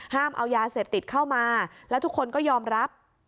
เอายาเสพติดเข้ามาแล้วทุกคนก็ยอมรับ